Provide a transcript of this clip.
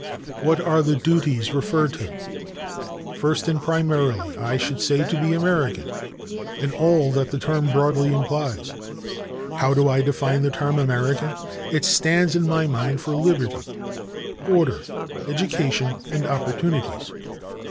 What are the 'duties' referred to? First, and primarily, I should say to be American, in all that the term broadly implies. How do I define the term American? It stands in my mind for liberty, order, education and opportunities.